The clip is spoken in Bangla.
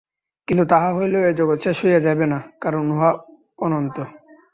কিন্তু তাহা হইলেও এই জগৎ শেষ হইয়া যাইবে না, কারণ উহা অনন্ত।